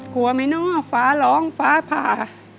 กลัวไหมเนาะฟ้าร้องฟ้าผ่า